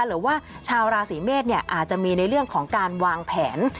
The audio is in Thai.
หรือว่าชาวราศีเมษอาจจะมีในเรื่องของการวางแผน